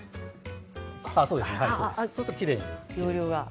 そうです、そうするときれいに。